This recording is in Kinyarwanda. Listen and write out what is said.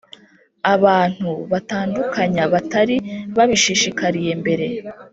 abantu batandukanya batari babishishikariye mbere